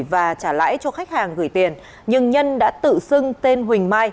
và trả lãi cho khách hàng gửi tiền nhưng nhân đã tự xưng tên huỳnh mai